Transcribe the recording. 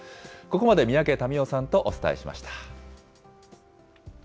ここまで三宅民夫さんとお伝えしました。